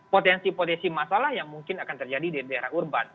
potensi potensi masalah yang mungkin akan terjadi di daerah urban